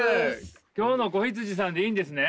今日の子羊さんでいいんですね？